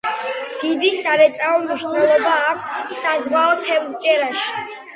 დიდი სარეწაო მნიშვნელობა აქვთ საზღვაო თევზჭერაში.